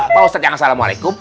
pak ustad yang assalamualaikum